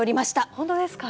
本当ですか？